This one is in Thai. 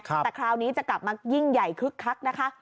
แต่คราวนี้จะกลับมายิ่งใหญ่คึกคักนะคะ